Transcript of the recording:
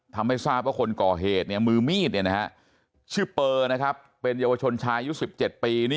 ทำให้ทราบว่าคนก่อเหตุมือมีดชื่อเปอร์เป็นเยาวชนชายอายุ๑๗ปี